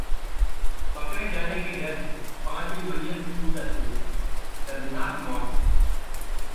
पकड़े जाने के डर से पांचवी मंजिल से कूदा चोर, दर्दनाक मौत